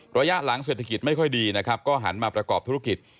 ระยะหลังเศรษฐกิจไม่ค่อยดีนะครับก็หันมาประกอบธุรกิจ